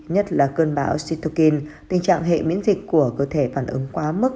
nhất là cơn bão situkin tình trạng hệ miễn dịch của cơ thể phản ứng quá mức